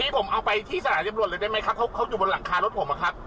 ผมเอาไปที่สถานีตำรวจเลยได้ไหมครับเขาอยู่บนหลังคารถผมอะครับ